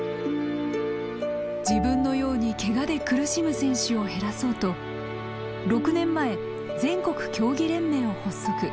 自分のようにケガで苦しむ選手を減らそうと６年前全国競技連盟を発足。